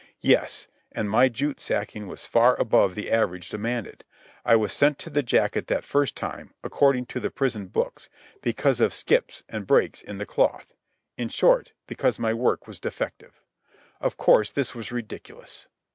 Yes, and my jute sacking was far above the average demanded. I was sent to the jacket that first time, according to the prison books, because of "skips" and "breaks" in the cloth, in short, because my work was defective. Of course this was ridiculous.